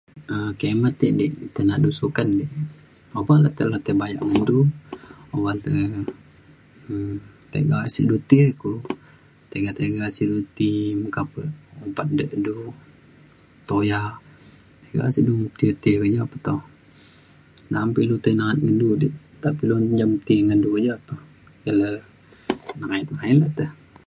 um kimet ti di te na'at du suken di obak la tei baya baya ngan du oban te um tiga sik du ti kulu tiga tiga sek du ti meka pe [unintelligible] du tuya tiga sik du ti ti ia pe to. ngaang pa lu tai na'at ngan du di nta pa lu njam ti ngan du ia' pa ke le nengayet nengayet lu ti